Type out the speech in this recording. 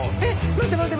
待って待って。